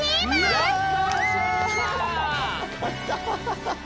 ハハハハハ！